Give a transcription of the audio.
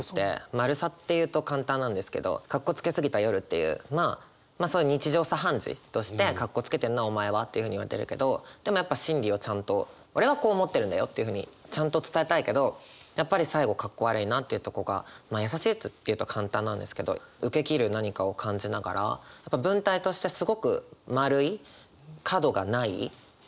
丸さって言うと簡単なんですけど「カッコつけすぎた夜」っていうまあそういう日常茶飯事としてカッコつけてんなお前はっていうふうに言われてるけどでもやっぱ心理をちゃんと俺はこう思ってるんだよっていうふうにちゃんと伝えたいけどやっぱり最後「カッコ悪いなぁ」っていうとこがまあ優しいっていうと簡単なんですけど受け切る何かを感じながらうんすてきだと思います。